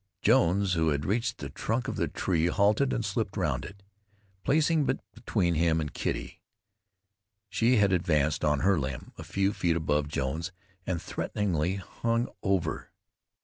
Jones, who had reached the trunk of the tree, halted and slipped round it, placing it between him and Kitty. She had advanced on her limb, a few feet above Jones, and threateningly hung over.